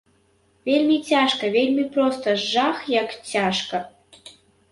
Вельмі цяжка, вельмі, проста жах, як цяжка!